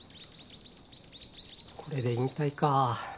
これで引退か。